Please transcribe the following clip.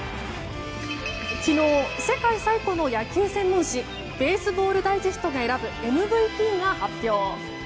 昨日、世界最古の野球専門誌「ベースボール・ダイジェスト」が選ぶＭＶＰが発表。